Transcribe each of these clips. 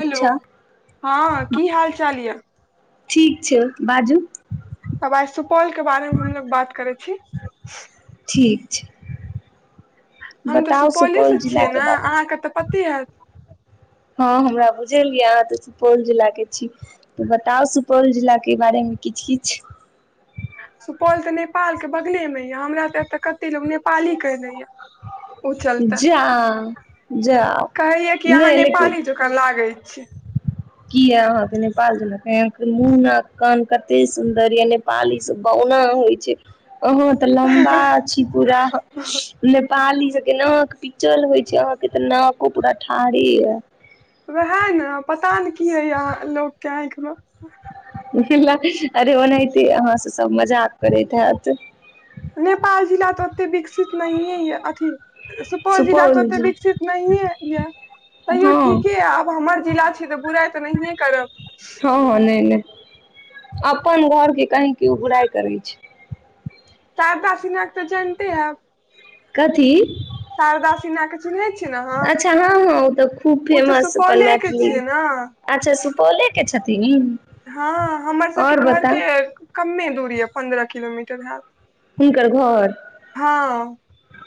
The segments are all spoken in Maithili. हेलो अच्छा हँ की हालचाल यऽ ठीक छै बाजू तब आइ सुपौल के बारेमे हमलोग बात करैत छी [inaudible] हम तऽ बताउ सुपौले सुपौल सँ जिला छियै के न बारे अहाँके तऽ पते हैयत हँ हमरा बुझल यै अहाँ तऽ सुपौल जिला के छी तऽ बताउ सुपौल जिला के बारेमे किछ किछ सुपौल तऽ नेपाल के बगलेमे यऽ हमरा त ए तऽ कते लोक नेपाली कहि दै यऽ ओ चलता जा जाउ कहैया कि अहाँ नहि नेपाली जकाँ लागै [inaudible] की अय अहंके नेपाल [unintelligible] मूंह नाक कान कते सुन्दर ये नेपाल ई सब बहुत एना होइ छै अहाँ तऽ लम्बा छी पूरा हं नेपाली के नाक पिचल होइ छै अहा के तऽ नाको पूरा ठाढ़े अय वहे ने पता ने की होइए अहाँ लोकके आँखिमे अरे ओनाहिते अहाँ से सभ मजाक करैत हैत नेपाल जिला तऽ ओते विकसित नहिए अय अथी सुपौल जिला तऽ ओते विकसित नहिए यऽ तैयो हँ हँ ठीके य आब हमर जिला छी तऽ बुराइ तऽ नहिए करब अप्पन घरके कहीँ केओ बुराइ करै छै शारदा सिन्हा के त जैनते हेब कथी शारदा सिन्हा के चिन्है छियै ने अहाँ अच्छा हँ हँ ओ तऽ खूब ओ तऽ फेमस अपन सुपौले के मैथिली छियै ने अच्छा सुपौले के छथिन इ हँ हमर सभके घरके कममे दूरी अय पन्द्रह किलोमीटर हेत हिनकर घर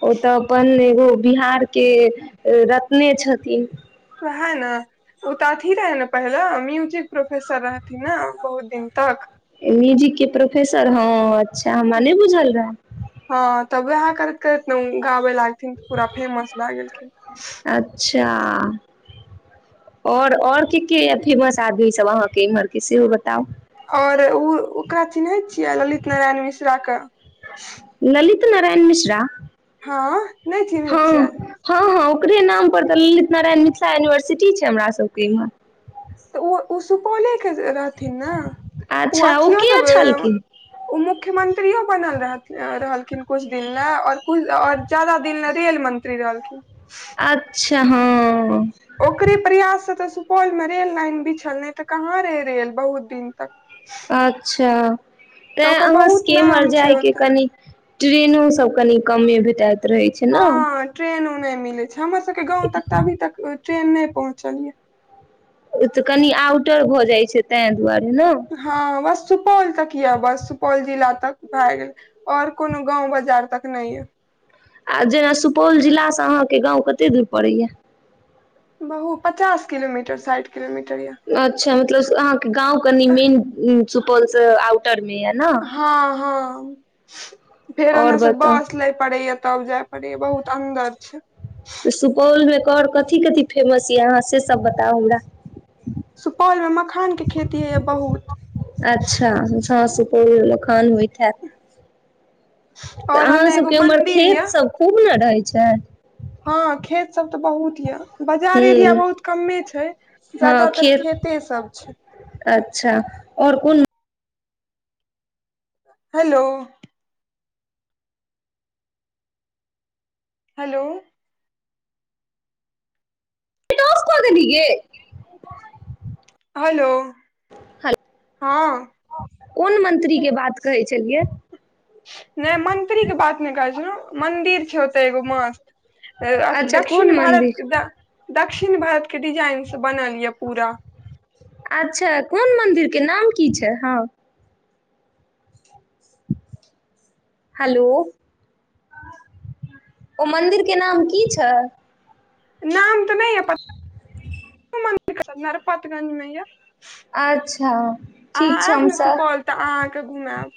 ओ तऽ अपन ओ बिहार के रत्ने छथिन है न ओ तऽ अथी रहै ने पहिले म्यूजिक प्रोफेसर रहथिन ने बहुत दिन तक म्यूजिक के प्रोफेसर हँ अच्छा हमरा नहि बुझल रहे हँ तब वहा करैत करैत ने गाबे लागथिन तऽ पूरा फेमस भए गेलखिन जा ओर और के के अय फेमस आदमी सब अहाँके इमहर के सेहो बताउ आओर उ ओकरा चिनहै छियै ललित नारायण मिश्राके ललित नारायण मिश्रा हँ नहि चिन्है हँ छियै हँ हँ ओकरे नामप पर तऽ ललित नारायण मिथिला यूनिवर्सिटी छै हमरा सबके इमहर त उ उ सुपोले रहथिन ने ओ अच्छा अथियो त किया छलखिन ओ मुख्यमन्त्री मंत्रियो बनल रहल रहलखिन कुछ दिन ल आओर आओर जादा दिन ल तेल मंत्री रहलखिन अच्छा हँ ओकरे प्रयास स तऽ सु सुपौल मे रेल लाइन बीछल नैय तऽ कहाँ रहैय रेल बहुत दिन तक अच्छा तऽ तैँ ओकर बहुत अहाँसँ के इमहर नाम छै जाय के ओतऽ कनि ट्रेनो सब कनि कमे भेटाइत रहै छै न नैय मिलै छै हमर सब गाँव तक तऽ अभी तक ट्रेन नहि पहुँचल यै ओ तऽ कनि आउटर भऽ जाइ छै तैं हँ बस सुपौल तक यए बस सुपौल जिला तक भए गेल आऔर कोनो गाँंव बाजार तक नहि अय आ जेना सुपौल जिलासँ अहाँके गाँव कत्ते दूर पड़ैए बहु पचास किलोमीटर साइठ किलोमीटर यऽ अच्छा मतलब अहाँके गाँंव कनि मेन सुपौल से आउटर हँ हँ फेर आओर ओनेस बताउ बस लै पड़ै ये तब जाय परैये बहुत अंन्दर छै तऽ सुपौलमे कर कथि कथि फेमस यऽ अहाँ से सब बताउ हमरा सुपौलमे मखानके खेती होइए बहुत अच्छा हँ सुपौल मखान होइत हैत और अहाँ ओने एगो सबके उमहर मंदिर ये खेत सब खूब ने रहै छै हँ खेत सब तऽ बहुत यऽ बाजार एरिया हूँ बहुत कमे छै हँ जादातर खेत खेते सब छै अच्छा और कुन हेलो हलो नेट ऑफ क देलही गे हेलो हेलो हँ कोन मंत्रीके बात कहै छलियै नहि मंत्री के बात नहि कहै छै ने मंन्दिर छै ओतय एगो मस्त अ अथि अच्छा कोन दक्षिण भारत मंदिर द दक्षिण भारतके डिजाइन छै बनाइ लिअ पूरा अच्छा कोन मन्दिरके नाम की छै हँ हेलो ओ मन्दिरके नाम की छै नाम तऽ नहि प कोन नंदिर नरपतगंजमे य अच्छा अहाँ ठीक छै आयब हम न सर सुपौल त अहाँके घुमायब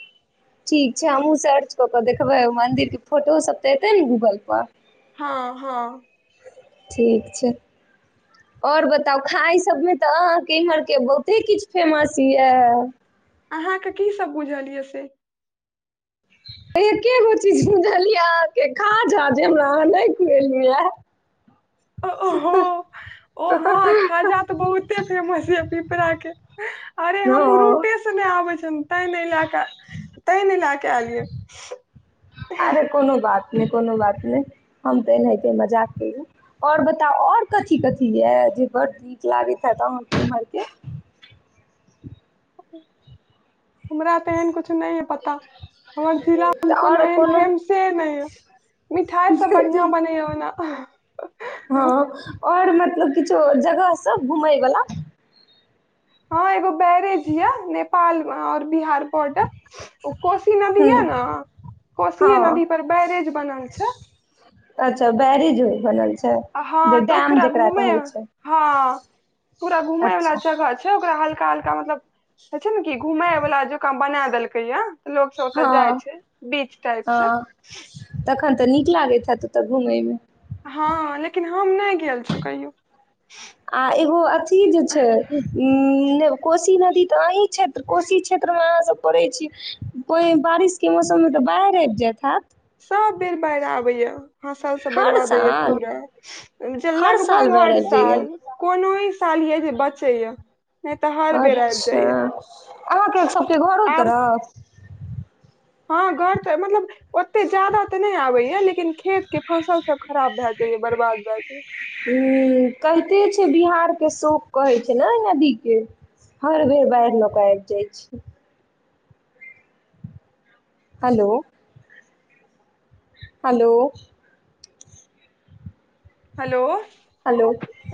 ठीक छै हमहूँ सर्च कऽ कऽ देखबै मन्दिर के फोटोसभ तऽ एतै न गूगल पर हँ हँ ठीक छै ओर बताउ खाइ सभमे तऽ अहाँके इम्हरके बहुते किछ फेमस य अहाँके कीसभ बुझल य से एके गो चीज सुझलियै अहाँके खाझा जे हमरा अहाँ नहि खुएलियै य [inaudible] ओहो ओ हँ खाजा तऽ बहुते फेमस य पिपरा के अरे हम हँ रूटेसँ नहि आबै छ ते ल कऽ ता ने लए क एलियै अरे कोनो बात नै कोनो बात नै हम ते एनाहिते मजाक केलु और बताउ और कथी कथी य जे बड़ नीक लागै हैत आहाके इमहरके हमरा तेहन कुछ नइ य पता हमर जिला मे तऽ कोनो आओर एहन फेमसे नइ य मिठाइ सभ बढ़िआँ बनैए ओना आओर मतलब किछो जगह सब घुमयवला हँ एगो बैरेज य नेपाल म और बिहार म ओ कोसी नदी य हूँ न कोशीे नदी हँ पर बैरेज बनल छै अच्छा ब हँ तऽ उ पूरा जेकरा घूमे कहै छै हँ पूरा घूमय वला अच्छा जगह छै ओकरा हल्क हल्का हलका मतलब हो छै ने की घुम बालला जका बना देलकै य लोग सब ओतय जाइ हँ छै बीच टाइप स तहन तऽ नीक लागैत हैत ओतय घूमे मे हँ लेकिन हम नहि गेल छौ कहियो आ एगो अथी जे छै उ कोशी नदी तऽ अही क्षेत्र कोशी क्षेत्र अहाँ सब पड़ै छीय कोहि बारिश के मौसम मे तऽ बाढ़ि आबि जायइत हैत सब बेर बाढ़ि आबे या फसल सब हर बर्बाद होइय साल पूरा जे हर साल लगभग बाढ़ि हर आबि जाइए साल कोनो ई साल य जे बचैए य अच्छा अहाँके सभके घरो आब तरफ हँ घर तऽ मतलब ओते जादा तऽ नहि आबैएा लेकिन खेतके फसल सब खराब भैए जाइ य बर्बाद भै जाइ य उ कहिते छै बिहारके शोक कहै छै ने नदीके हर बेर बाढ़ि लोकऽ कऽ आबि जाइ छै हलौ हलौ हेलो हेलो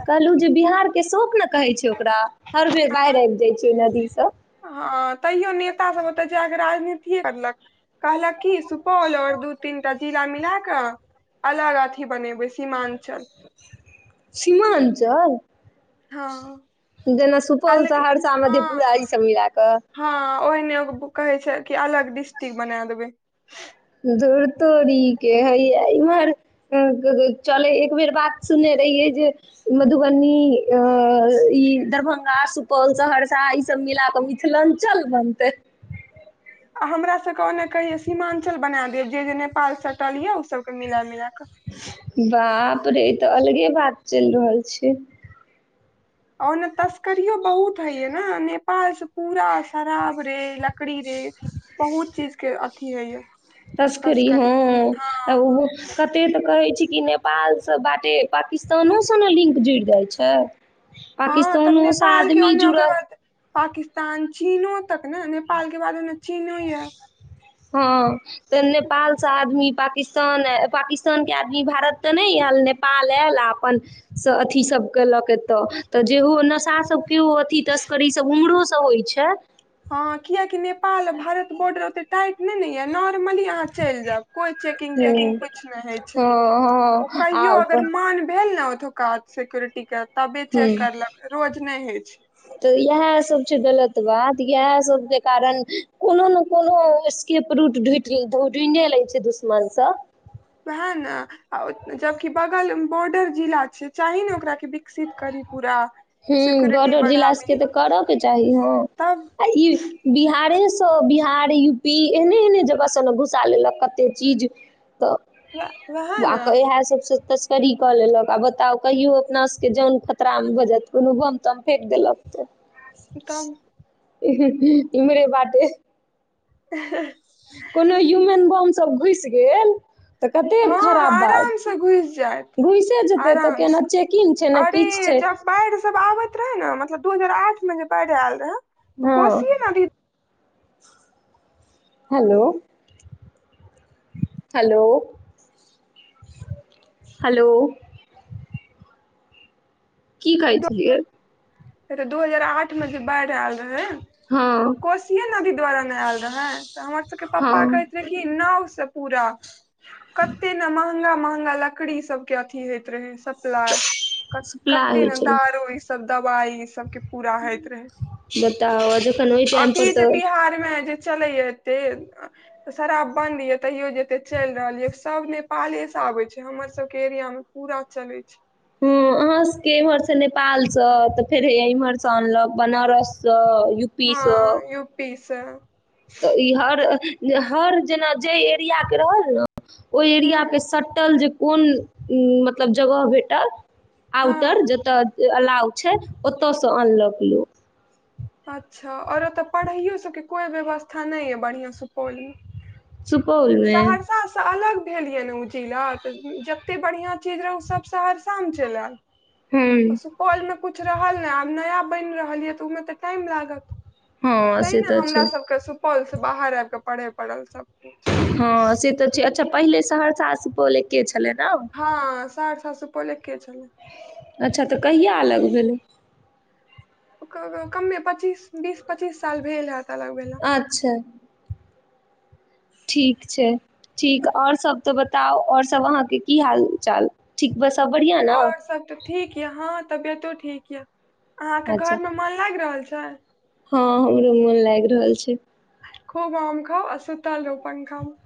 कहलहु जे बिहारके शोक न कहै छै ओकरा हर बेर बाढ़ि आबि जाइ छै ओहि नदीसं हँ तैयो नेता सब ओते जााक राजनीति करलक कहलक की सुपौल ओ दू तीनटा जिला मिला कऽ अलग अथी बनेबे सीमांचल सीमांचल हँ जेना सुपौल अलग सहरसा मधेपुरा ई सब मिला कऽ ओहने कहै छै कि अलग डिस्ट्रिक्ट बना देबै तोरीके हया चलै एक बेर बात सुनने रहि जे मधुबनी अ ई दरभंगा सुपौल सहरसा ईसभ मिलाके मिथिलांचल बनतै [inaudible] आ हमरासभके ओन्ने के कहैए सीमांचल बना देब जे जे नेपाल सटल यए ओसभके मिलाए मिलए कऽ बाप रे ई तऽ अलगे बात चलि रहल छै ओने तस्करियो बहुत हेय न नेपाल से पूरा शराब रे लकड़ी रे बहुत चीज के अथी होय तस्करी हँ आ ओ हँ कते तऽ कहै छी ई नेपालसँ बाटे पाकिस्तानो सँ ने लिंक जुड़ि जाइ छै हँ तब पकिस्तानो सं नेपाल के आदमी ओन्ने ओकर जुड़ल बाद पाकिस्तान चीनो तक न नेपाल के बाद अने चीनो या हँ तऽ नेपाल से आदमी पाकिस्तान पाकिस्तान के आदमी भारत तऽ नहि यल नेपाल आयल अपन अथी सब केलक एतऽ तऽ जेहो नशा सब पो अथी तस्करी सब उम्हरो से होइ छै हँ कियकि नेपाल आ भारत बॉर्डर टाइट नैय न या नॉर्मली अहाँ चलि जायब कोइ चेकिंग हँ तेकिंग कुछ नहि होइ छै हँ ओ हँ आ कहियो अगर अपन मन भेल न ओतुका सिक्योरिटी के तबे ह चेक करलक रोज नहि होइ छै तऽ इएह सब छै गलत बात इएह सब के कारण कोनो न कोनो स्कोप रूट ढू ढूढे ले छै दो मन सं उएह न जबकि बगल बोडर जिला छै चाही ने ओकरा विकसित करी पूरा ह सिक्योरिटी बॉर्डर जिला के बढ़ाबी तऽ करऽ के चाही हँ तब आ ई बिहारे बिहार यू पी एहने एहने जगह स ने घुसा लेलक कते चीज वए- वएह ने तऽ इएह सबसँ तस्करी कऽ लेलक आ बताउ कहियो अपना जन खतरा मे भऽ जात कोनो बम तम फेेक देलक त तब इमरे बाटे ह [inaudible] कोनो ह्यूमन बमसभ घुसि गेल कते हँ खराब आराम बात से घुसि जायत घुसे जेते तऽ केना चेकिंग छै न किछ छै च पैर सब आबैत रहै न मतलब दू हजार आठ मे जे बाढ़ि आयल रहै तऽ हँ कोशी नदी हेलो हेलौ हेलौ की कहै छलिय तऽ दू हजार आठमे जे बाढ़ि आयल रहै हँ ओ कोसिये नदी द्वारा न आयल रहे तऽ हमर सबके हँ पपा कहै स कि नाव से पूरा कते न महंगा महंगा लकड़ी सब के अथी होयइत रहे सप्लाइ सप्लाइ कत्ते होइ ने छलै दारू ई सब दवाइ ई सबके पूरा होइत रहै बताउ जखन ओहि टाइम अभी पर जे तऽ बिहारमे चलैये एत्ते शराब बन्द ये तैयो जे एते चलि रहल ये सब नेपाले से आबै छै हमर सबके एरियामे पूरा चलै छै हूँ हमरा सभकेँ इम्हर छै नेपालसँ तऽ फेर हैये इम्हरसँ अनलक बनारससँ यू पी सँ सँ तऽ ई हर हर जेना जाहि एरिया के रहल ने ओहि एरियाके हूँ सटल जे कोन मतलब जगह भेटल हँ आउटर जतय अलाव छै ओतयसँ अनलक लोक अच्छा आओर ओतय पढ़ाइयो सभकेँ कोइ व्यवस्था नहि अए बढियां सुपौलमे सुपौलमे सहरसासँ अलग भेल ये ने ओ जिला तऽ जते बढ़ियां चीज रहै ओ सब सहरसामे चलि आएल हँ तऽ सुपौलमे कुछ रहल नै आब नया बनि रहल अए तऽ ओहिमे तऽ टाइम लागत हँ तै से ने तऽ हमरा छै सबके सुपौलसँ बाहर आबि कऽ पढ़य पड़ल सबकिछु हँ से तऽ छै अच्छा पहिले सहरसा आ सुपौल एके छलै ने हँ सहरसा सुपौल एके छलै अच्छा तऽ कहिया अलग भेलै ओ कमे पच्चीस बीस पच्चीस साल भेल हैत अलग भेला अच्छा ठीक छै ठीक आओर सब तऽ बताउ और सब अहाँके की हाल चाल ठीक बस सब बढ़िआँ ने और सब तऽ ठीक य हँ तबियतो ठीक य अहाँके अच्छा घरमे मन लागि रहल छै हँ हमरो मन लागि रहल छै खूब आम खाउ आ सूतल रहू पंखामे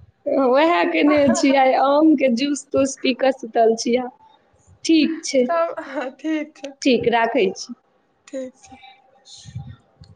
उएह कयने छियै आइ आमके जूस तूस पी कऽ सुतल छिय ठीक छै सब ठीक छै ठीक राखै छी ठीक छै [inaudible]